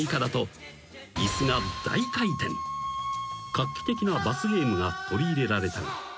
［画期的な罰ゲームが取り入れられたが］